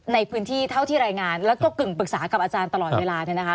ในพื้นที่เท่าที่รายงานแล้วก็กึ่งปรึกษากับอาจารย์ตลอดเวลาเนี่ยนะคะ